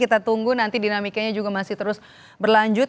kita tunggu nanti dinamikanya juga masih terus berlanjut